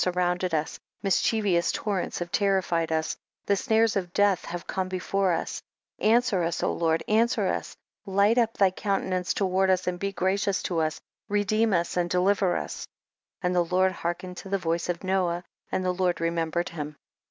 surrounded us, mischievous torrents have terrified us, the snares of death have come before us ; answer us, O Lord, answer us, hght up thy coun tenance toward us and be gracious to us, redeem us and deliver us. THE BOOK OF JASHER. 15 32. And the Lord hearkened to the voice of Noah, and the Lord re membered him.